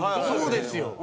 そうですよ。